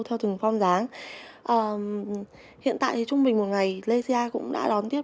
theo từng form dáng hiện tại thì trung bình một ngày lê sia cũng đã đón tiếp